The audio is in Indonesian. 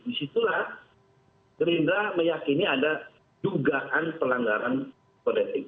disitulah gerindra meyakini ada dugaan pelanggaran kodetik